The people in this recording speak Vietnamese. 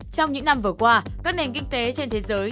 trong những năm vừa qua các nền kinh tế trên thế giới